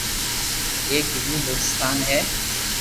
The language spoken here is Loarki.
ايڪ گلگيت بلچستان ھي